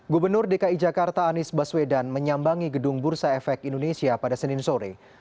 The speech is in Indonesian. gubernur dki jakarta anies baswedan menyambangi gedung bursa efek indonesia pada senin sore